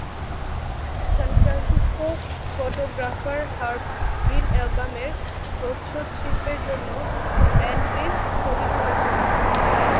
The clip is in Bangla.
সান ফ্রান্সিসকো ফটোগ্রাফার হার্ব গ্রিন অ্যালবামের প্রচ্ছদ শিল্পের জন্য ব্যান্ডটির ছবি তুলেছিলেন।